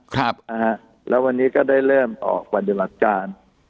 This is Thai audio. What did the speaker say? ครับนะฮะแล้ววันนี้ก็ได้เริ่มออกกว่าเดือนหลักจาน